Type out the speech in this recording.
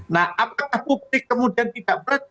nah apakah publik kemudian tidak percaya